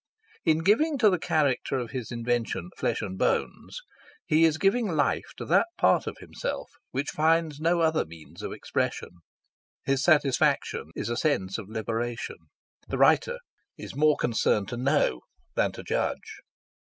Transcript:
In giving to the character of his invention flesh and bones he is giving life to that part of himself which finds no other means of expression. His satisfaction is a sense of liberation. The writer is more concerned to know than to judge.